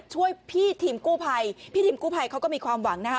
ช่วยพี่ทีมกู้ภัยพี่ทีมกู้ภัยเขาก็มีความหวังนะคะ